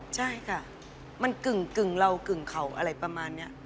ใช่ค่ะมันกึ่งเรากึ่งเข่าอะไรประมาณนี้